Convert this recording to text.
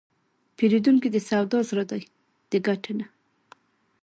پیرودونکی د سودا زړه دی، د ګټې نه.